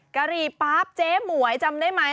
กะหรี่ปั๊บเจ๊หมวยจำได้ไหม